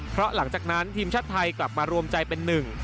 เพราะหลังจากนั้นทีมชาติไทยกลับมารวมใจเป็นหนึ่ง